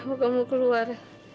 aku mau keluar